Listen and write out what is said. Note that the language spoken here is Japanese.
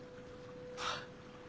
はっ？